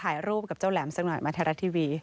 ถ่ายรูปกับเจ้าแหลมสักหน่อยมาไทยรัฐทีวี